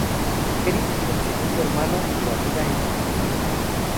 Eric, el segundo hermano, lo ayuda en su investigación.